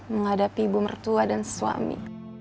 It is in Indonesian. menghadapi ibu mertua dan suami